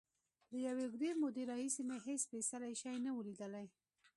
له یوې اوږدې مودې راهیسې مې هېڅ سپېڅلی شی نه و لیدلی.